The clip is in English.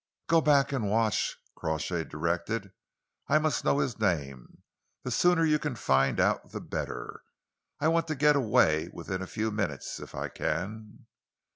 "Go back and watch," Crawshay directed. "I must know his name. The sooner you can find out, the better. I want to get away within a few minutes, if I can."